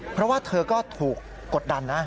เพราะว่าเธอก็ถูกกดดันนะ